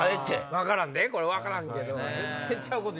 分からんでこれ分からんけど。